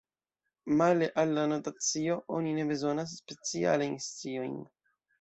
Male al la notacio oni ne bezonas specialajn sciojn.